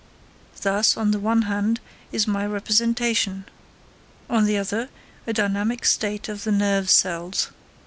Thus, on the one hand, is my representation; on the other, a dynamic state of the nerve cells.